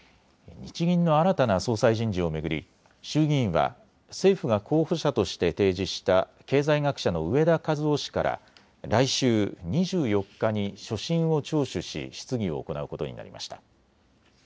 日銀の新たな総裁人事を巡り衆議院は政府が候補者として提示した経済学者の植田和男氏から来週２４日に所信を聴取し質疑を行うことになりました。